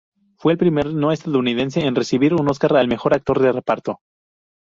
Fue el primer no estadounidense en recibir un Óscar al mejor actor de reparto.